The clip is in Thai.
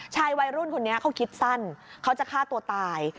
ชายวัยรุ่นคนนี้เขาคิดสั้นเขาจะฆ่าตัวตาย